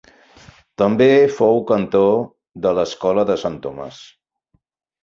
També fou cantor de l'Escola de Sant Tomàs.